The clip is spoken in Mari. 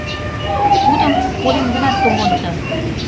Тудым колем гынат, ом мондо.